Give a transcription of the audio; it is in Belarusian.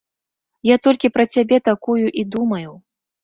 Я толькі пра цябе такую і думаю.